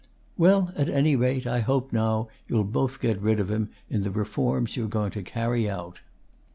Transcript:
"Well, at any rate, I hope, now, you'll both get rid of him, in the reforms you're going to carry out."